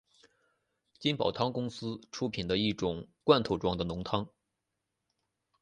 金宝汤公司出品的一种罐头装的浓汤。